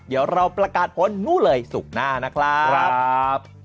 เดี๋ยวเราประกาศผลนู่นเลยศุกร์หน้านะครับ